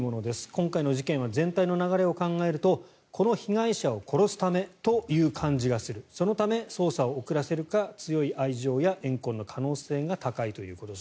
今回の事件は全体の流れを考えるとこの被害者を殺すためという感じがするそのため捜査を遅らせるか強い愛情やえん恨の可能性が高いということです。